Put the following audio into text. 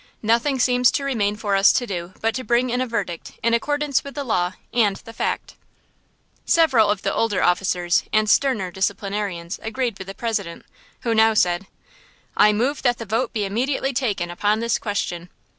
Nothing seems to remain for us to do but to bring in a verdict in accordance with the law and the fact." Several of the older officers and sterner disciplinarians agreed with the President, who now said: "I move that the vote be immediately taken upon this question."